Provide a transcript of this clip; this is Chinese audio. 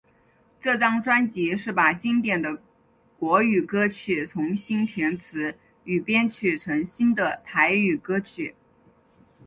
这张专辑是把经典的国语歌曲重新填词与编曲成新的台语歌曲。